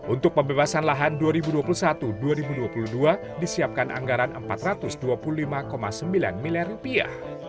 untuk pembebasan lahan dua ribu dua puluh satu dua ribu dua puluh dua disiapkan anggaran empat ratus dua puluh lima sembilan miliar rupiah